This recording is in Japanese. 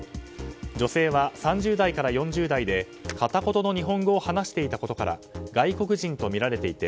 女性は３０代から４０代で片言の日本語を話していたことから外国人とみられていて